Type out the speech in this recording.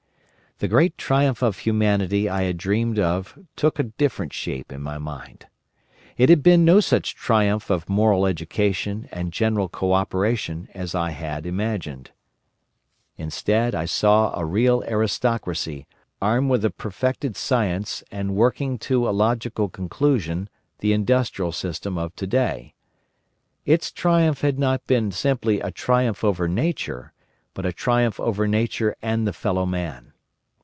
"The great triumph of Humanity I had dreamed of took a different shape in my mind. It had been no such triumph of moral education and general co operation as I had imagined. Instead, I saw a real aristocracy, armed with a perfected science and working to a logical conclusion the industrial system of today. Its triumph had not been simply a triumph over Nature, but a triumph over Nature and the fellow man.